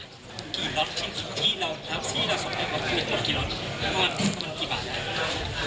กี่ล้อนที่เราส่งแดกว่า๑๐ล้อนกิโลกรัม